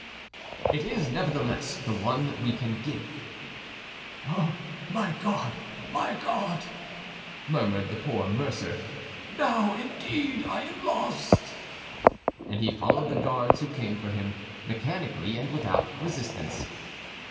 "It is, nevertheless, the only one we can give." "Ah, my God, my God!" murmured the poor mercer, "now, indeed, I am lost!" And he followed the guards who came for him, mechanically and without resistance.